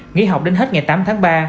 nghỉ học đến hết ngày tám tháng ba